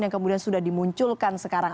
yang kemudian sudah dimunculkan sekarang